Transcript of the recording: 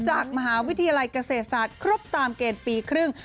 จากมหาวิทยาลัยเกษตรศาสตร์ครบตามเกณฑ์ปีครึ่ง